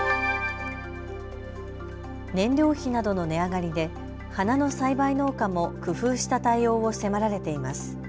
燃料費などの値上がりで花の栽培農家も工夫した対応を迫られています。